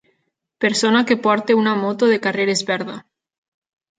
Persona que porta una moto de carreres verda.